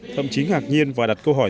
thậm chí ngạc nhiên và đặt câu hỏi